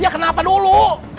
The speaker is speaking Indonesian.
ya kenapa dulu